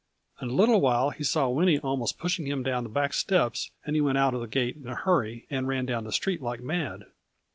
In a little while he saw Winnie almost pushing him down the back steps, and he went out of the gate in a hurry, and ran down the street like mad."